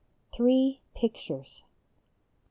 THREE PICTURES. I.